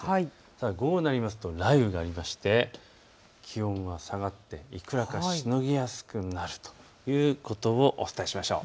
ただ午後になりますと雷雨になりまして気温は下がっていくらかしのぎやすくなるということをお伝えしましょう。